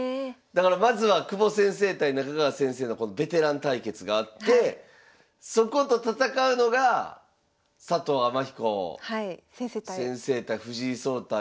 まずは久保先生対中川先生のベテラン対決があってそこと戦うのが佐藤天彦先生対藤井聡太